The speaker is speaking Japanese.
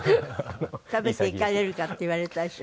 「食べていかれるか？」って言われたでしょ？